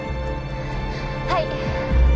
はい。